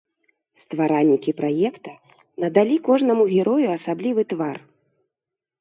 Стваральнікі праекта надалі кожнаму герою асаблівы твар.